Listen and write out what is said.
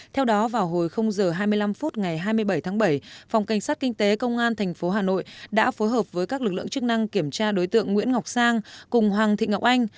theo đó vào hồi h hai mươi năm phút ngày hai mươi bảy tháng bảy phòng cảnh sát kinh tế công an tp hà nội đã phối hợp với các lực lượng chức năng kiểm tra đối tượng nguyễn ngọc sang cùng hoàng thị ngọc anh